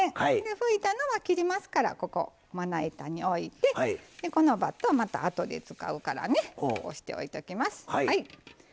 拭いたのを切りますからまな板に置いて、バットはまたあとで使うからこうして置いておきます。